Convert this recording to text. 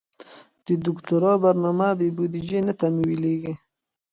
د دوکتورا برنامه بې بودیجې نه تمویلیږي.